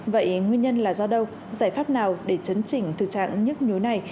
vậy nguyên nhân là do đâu giải pháp nào để chấn chỉnh thực trạng nhức nhối này